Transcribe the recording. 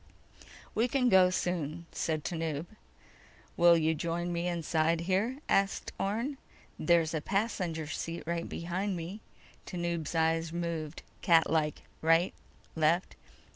"We can go soon," said Tanub. "Will you join me inside here?" asked Orne. "There's a passenger seat right behind me." Tanub's eyes moved catlike: right, left.